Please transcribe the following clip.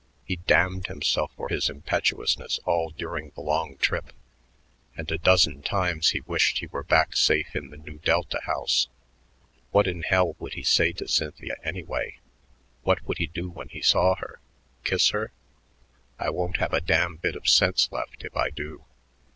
He damned himself for his impetuousness all during the long trip, and a dozen times he wished he were back safe in the Nu Delta house. What in hell would he say to Cynthia, anyway? What would he do when he saw her? Kiss her? "I won't have a damned bit of sense left if I do."